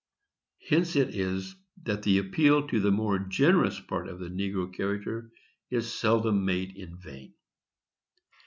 Hence it is that the appeal to the more generous part of the negro character is seldom made in vain.